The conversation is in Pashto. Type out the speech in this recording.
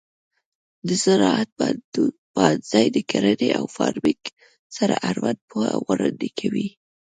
د زراعت پوهنځی د کرنې او فارمینګ سره اړوند پوهه وړاندې کوي.